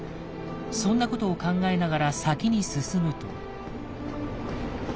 そんなことを考えながら先に進むと。